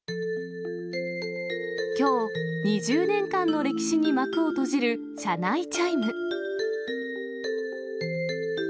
きょう、２０年間の歴史に幕を閉じる車内チャイム。